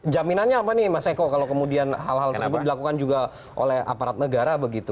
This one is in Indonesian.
jaminannya apa nih mas eko kalau kemudian hal hal tersebut dilakukan juga oleh aparat negara begitu